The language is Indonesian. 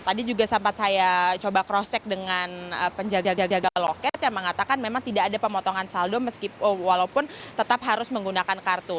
tadi juga sempat saya coba cross check dengan penjaga jaga loket yang mengatakan memang tidak ada pemotongan saldo meskipun tetap harus menggunakan kartu